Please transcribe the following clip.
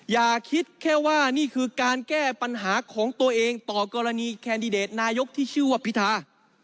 อย่าคิดแค่ว่านี่คือการแก้ปัญหาของตัวเองต่อกรณีแคนดิเดตนายกที่ชื่อว่าพิธา